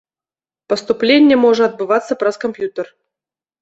Паступленне можа адбывацца праз камп'ютар.